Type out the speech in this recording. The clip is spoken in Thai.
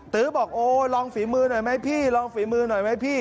ตื้อบอกโอ้ลองฝีมือหน่อยไหมพี่ลองฝีมือหน่อยไหมพี่